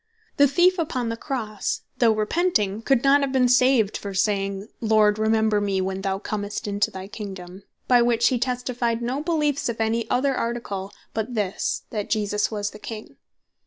The Thief upon the Crosse though repenting, could not have been saved for saying, "Lord remember me when thou commest into thy Kingdome;" by which he testified no beleefe of any other Article, but this, That Jesus Was The King.